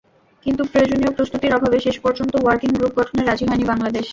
কিন্তু প্রয়োজনীয় প্রস্তুতির অভাবে শেষ পর্যন্ত ওয়ার্কিং গ্রুপ গঠনে রাজি হয়নি বাংলাদেশ।